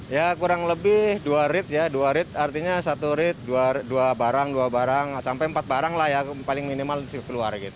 ya kurang lebih dua read ya dua read artinya satu read dua barang dua barang sampai empat barang lah ya paling minimal keluar gitu